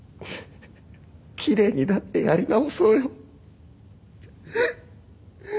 奇麗になってやり直そうよ。